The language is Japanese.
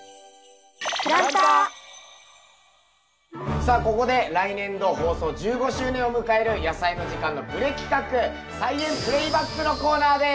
さあここで来年度放送１５周年を迎える「やさいの時間」のプレ企画「菜園プレイバック」のコーナーです！